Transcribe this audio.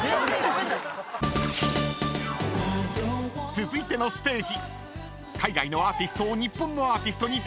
［続いてのステージ］